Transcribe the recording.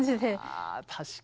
あ確かに。